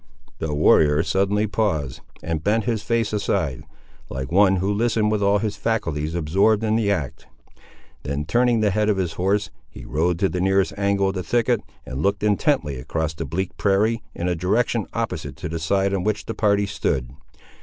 The warrior suddenly paused, and bent his face aside, like one who listened with all his faculties absorbed in the act. Then turning the head of his horse, he rode to the nearest angle of the thicket, and looked intently across the bleak prairie, in a direction opposite to the side on which the party stood.